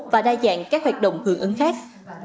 và đa dạng các hoạt động hưởng ứng khác